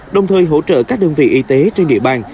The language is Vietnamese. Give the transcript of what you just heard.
đồng thời hỗ trợ các đơn vị y tế trên địa bàn